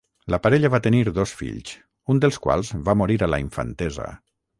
La parella va tenir dos fills, un dels quals va morir a la infantesa.